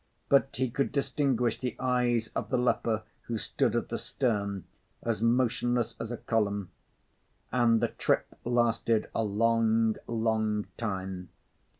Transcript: But he could distinguish the eyes of the leper who stood at the stern, as motionless as a column. And the trip lasted a long, long time.